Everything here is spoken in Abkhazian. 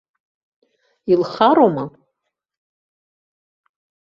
Илхароума?!